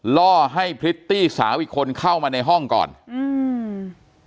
ล่อให้พริตตี้สาวอีกคนเข้ามาในห้องก่อนอืม